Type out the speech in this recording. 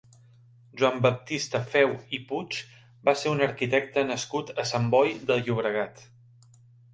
Joan Baptista Feu i Puig va ser un arquitecte nascut a Sant Boi de Llobregat.